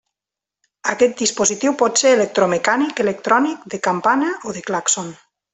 Aquest dispositiu pot ser electromecànic, electrònic, de campana o de clàxon.